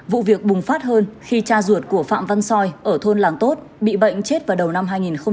vụ việc bùng phát hơn khi cha ruột của phạm văn xoay ở thôn làng tốt bị bệnh chết vào đầu năm hai nghìn hai mươi